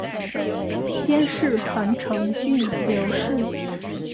先世彭城郡刘氏。